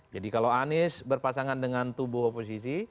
kalau anies berpasangan dengan tubuh oposisi